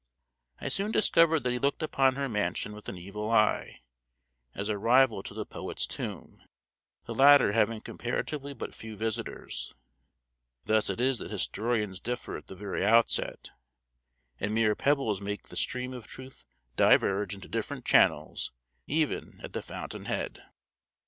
I soon discovered that he looked upon her mansion with an evil eye, as a rival to the poet's tomb, the latter having comparatively but few visitors. Thus it is that historians differ at the very outset, and mere pebbles make the stream of truth diverge into different channels even at the fountain head.